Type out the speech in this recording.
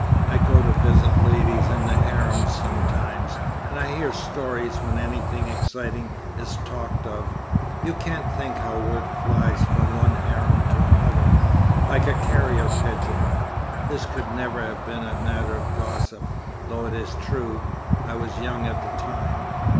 I go to visit ladies in the harems sometimes, and I hear stories when anything exciting is talked of. You can't think how word flies from one harem to another like a carrier pigeon! This could never have been a matter of gossip though it is true I was young at the time."